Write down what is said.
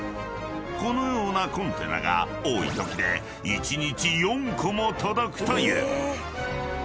［このようなコンテナが多いときで１日４個も届くという］